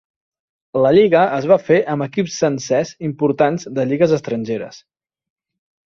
La lliga es va fer amb equips sencers importants de lligues estrangeres.